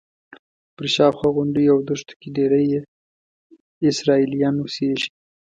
پر شاوخوا غونډیو او دښتو کې ډېری یې اسرائیلیان اوسېږي.